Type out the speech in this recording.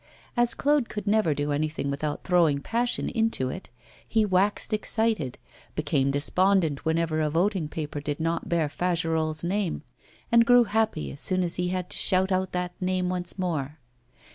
As Claude could never do anything without throwing passion into it, he waxed excited, became despondent whenever a voting paper did not bear Fagerolles' name, and grew happy as soon as he had to shout out that name once more.